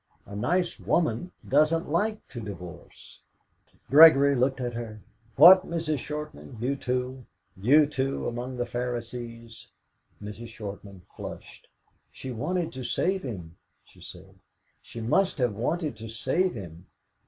A nice woman doesn't like to divorce " Gregory looked at her. "What, Mrs. Shortman, you too, you too among the Pharisees?" Mrs. Shortman flushed. "She wanted to save him," she said; "she must have wanted to save him."